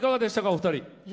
お二人。